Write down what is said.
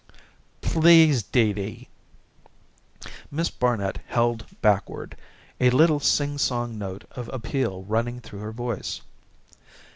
"Please, Dee Dee!" Miss Barnet held backward, a little singsong note of appeal running through her voice.